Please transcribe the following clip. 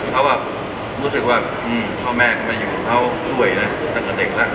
เค้ารู้สึกว่าข้อแม่มาอยู่เค้ามีน้ำจ๋วยจนกว่าเด็กครับ